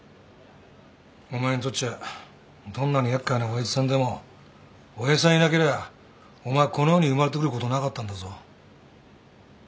お前にとっちゃどんなに厄介な親父さんでも親父さんいなけりゃお前この世に生まれてくることなかったんだぞ。